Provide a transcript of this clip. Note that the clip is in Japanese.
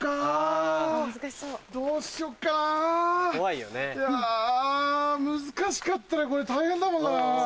いや難しかったらこれ大変だもんな。